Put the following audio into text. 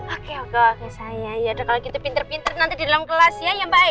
oke oke oke sayang yaudah kalau gitu pinter pinter nanti di dalam kelas ya ya mbak e